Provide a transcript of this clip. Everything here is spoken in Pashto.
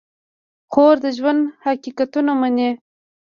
خور د ژوند حقیقتونه مني.